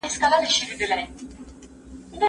متخصصینو د نویو تولیدي میتودونو په اړه بحثونه کړي وو.